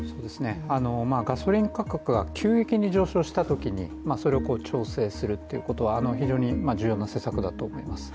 ガソリン価格が急激に上昇したときにそれを調整するということは非常に重要な施策だと思います。